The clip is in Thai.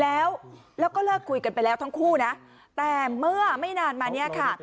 แล้วก็เลิกคุยกันไปแล้วทั้งคู่นะแต่เมื่อไม่นานมาเนี่ยค่ะ